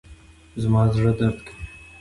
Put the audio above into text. زما زړه درد کوي